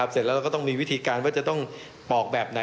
เสร็จแล้วเราก็ต้องมีวิธีการว่าจะต้องปอกแบบไหน